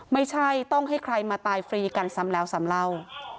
ไม่ใช่ต้องให้ใครมาตายฟรีกันซ้ำแล้วซ้ำเล่า